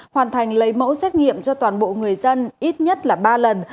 hoàn thành lấy mẫu xét nghiệm cho toàn bộ người dân ít nhất là ba lần